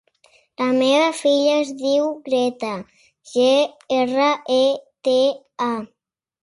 La meva filla es diu Greta: ge, erra, e, te, a.